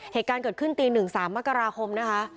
เหตุการณ์เกิดขึ้นตี๑๓มกราคมนะคะ